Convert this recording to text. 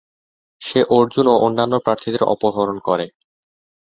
সে অর্জুন ও অন্যান্য প্রার্থীদের অপহরণ করে।